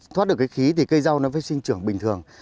thoát được cái khí thì cây rau nó phải sinh trưởng bình thường